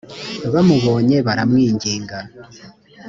bamubonye baramwinginga